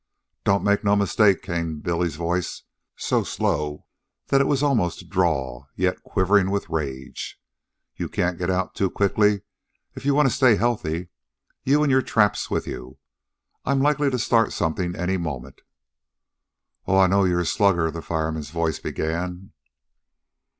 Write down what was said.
"Don't make no mistake," came Billy's voice, so slow that it was almost a drawl, yet quivering with rage. "You can't get out too quick if you wanta stay healthy you an' your traps with you. I'm likely to start something any moment." "Oh, I know you're a slugger " the fireman's voice began.